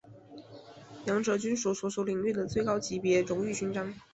两者均为所属领域的最高级别荣誉勋章。